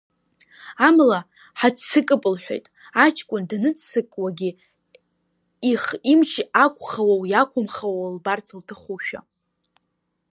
Амала, ҳаццакып, — лҳәеит, аҷкәын даныццакуагьы их имч ақәхауоу иақәымхауоу лбарц лҭахушәа.